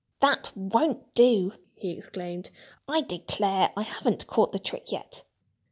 "That won't do!" he exclaimed. "I declare, I haven't caught the trick yet."